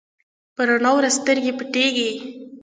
په رڼا ورځ سترګې پټېږي.